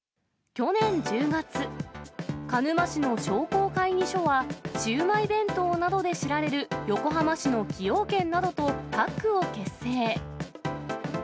去年１０月、鹿沼市の商工会議所は、シウマイ弁当などで知られる横浜市の崎陽軒などとタッグを結成。